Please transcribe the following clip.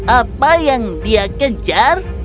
apa yang dia kejar